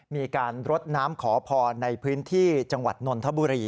มีการรดน้ำขอพรในพื้นที่จังหวัดนนทบุรี